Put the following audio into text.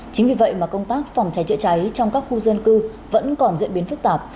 chính vì vậy mà công tác phòng cháy chữa cháy trong các khu dân cư vẫn còn diễn biến phức tạp